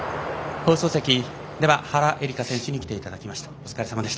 放送席、原英莉花選手に来ていただきました。